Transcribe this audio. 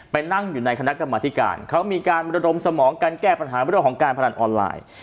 ไปนั่งอยู่ในคณะกรรมธิการเขามีการระดมสมองกันแก้ปัญหาเรื่องของการพนันออนไลน์